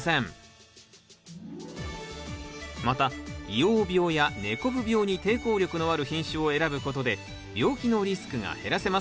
また萎黄病や根こぶ病に抵抗力のある品種を選ぶことで病気のリスクが減らせます。